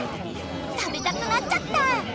食べたくなっちゃった！